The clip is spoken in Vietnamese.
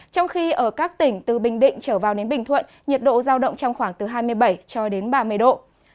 trong khi ở các tỉnh từ bình định trở vào đến bình thuận nhiệt độ giao động trong khoảng từ hai mươi bảy cho đến ba mươi độ